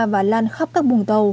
và lan khắp tàu thuyền của việt nam